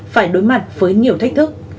phải đối mặt với nhiều thách thức